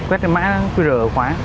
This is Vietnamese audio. quét cái mã qr ở khóa